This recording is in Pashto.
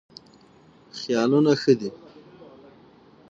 خیالونه ښه دي.